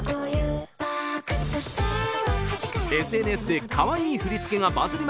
ＳＮＳでかわいい振り付けがバズり